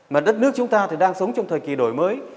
mà đất nước chúng ta thì đang sống trong thời kỳ đổi mới